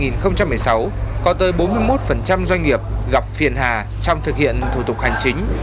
năm hai nghìn một mươi sáu có tới bốn mươi một doanh nghiệp gặp phiền hà trong thực hiện thủ tục hành chính